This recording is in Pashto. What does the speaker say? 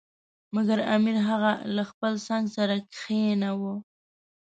مګر امیر هغه له خپل څنګ سره کښېناوه.